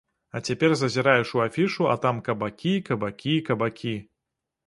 А цяпер зазіраеш у афішу, а там кабакі-кабакі-кабакі.